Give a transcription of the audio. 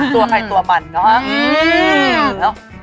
ตัวไข่ตัวมันเนอะค่ะ